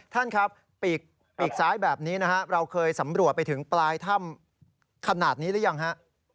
ท่านครับปีกซ้ายแบบนี้นะฮะเราเคยสำรวจไปถึงปลายถ้ำขนาดนี้หรือยังฮะ